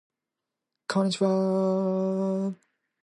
The analogue of Barbier's theorem for surfaces of constant width is false.